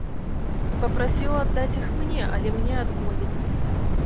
Папрасіў аддаць іх мне, але мне адмовілі.